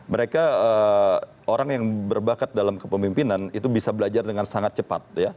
mereka orang yang berbakat dalam kepemimpinan itu bisa belajar dengan sangat cepat